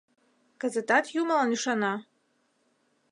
— Кызытат юмылан ӱшана?